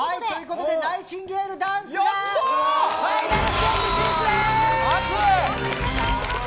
ナイチンゲールダンスがファイナルステージ進出です。